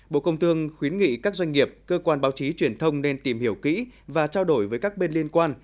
bộ công thương khuyến nghị các doanh nghiệp cơ quan báo chí truyền thông nên tìm hiểu kỹ và trao đổi với các bên liên quan